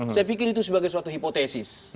saya pikir itu sebagai suatu hipotesis